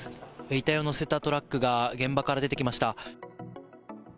遺体を乗せたトラックが現場から出てきました。